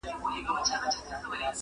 o د مجسمې انځور هر ځای ځوړند ښکاري,